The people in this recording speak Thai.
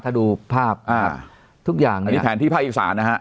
ถ้าดูภาพอ่าทุกอย่างอันนี้แผนที่ภาคอีสานนะฮะ